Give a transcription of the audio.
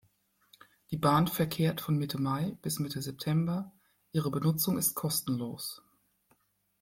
Die Bahn verkehrt von Mitte Mai bis Mitte September; ihre Benutzung ist kostenlos.